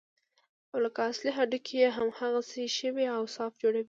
او لکه اصلي هډوکي يې هماغسې ښوى او صاف جوړوي.